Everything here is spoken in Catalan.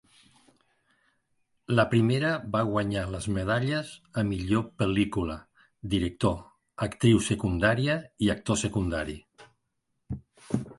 La primera va guanyar les medalles a millor pel·lícula, director, actriu secundària i actor secundari.